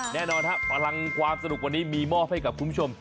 แน่นอนครับพลังความสนุกวันนี้มีมอบให้กับคุณผู้ชม